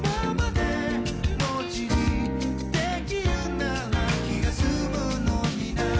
「文字にできるなら気が済むのにな」